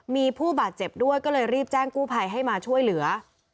มีผู้บาดเจ็บด้วยก็เลยรีบแจ้งกู้ภัยให้มาช่วยเหลือ